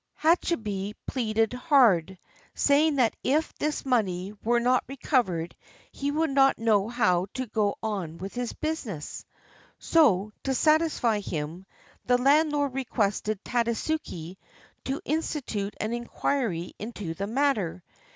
" Hachibei pleaded hard, saying that if this money were not recovered, he would not know how to go on with his business. So, to satisfy him, the land lord requested Tadasuke to institute an inquiry into the matter.